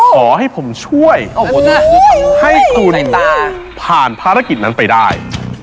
ขอให้ผมช่วยให้คุณตาผ่านภารกิจนั้นไปได้